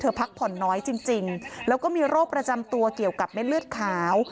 พักผ่อนน้อยจริงแล้วก็มีโรคประจำตัวเกี่ยวกับเม็ดเลือดขาว